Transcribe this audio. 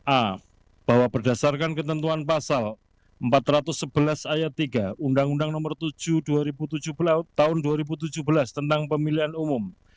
a bahwa berdasarkan ketentuan pasal empat ratus sebelas ayat tiga undang undang nomor tujuh tahun dua ribu tujuh belas tentang pemilihan umum